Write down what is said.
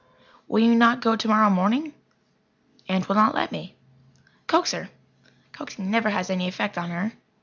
"Will you not go tomorrow morning?" "Aunt will not let me." "Coax her." "Coaxing never has any effect on her."